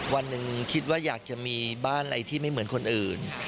วันหนึ่งคิดว่าอยากจะมีบ้านอะไรที่ไม่เหมือนคนอื่น